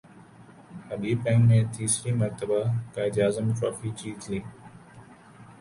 حبیب bank نے تیسری مرتبہ قائد اعظم ٹرافی جیت لی